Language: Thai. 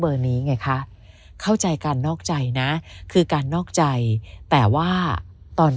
นี้ไงคะเข้าใจการนอกใจนะคือการนอกใจแต่ว่าตอน